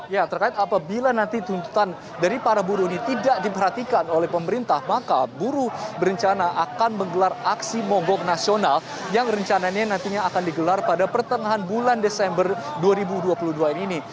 ya terkait apabila nanti tuntutan dari para buruh ini tidak diperhatikan oleh pemerintah maka buruh berencana akan menggelar aksi mogok nasional yang rencananya nantinya akan digelar pada pertengahan bulan desember dua ribu dua puluh dua ini